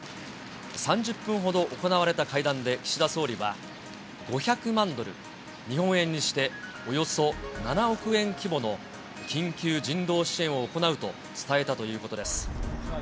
３０分ほど行われた会談で岸田総理は、５００万ドル、日本円にしておよそ７億円規模の緊急人道支援を行うと伝えたということです。